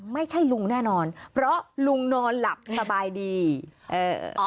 ไม่ใช่ลุงแน่นอนเพราะลุงนอนหลับสบายดีเอ่อ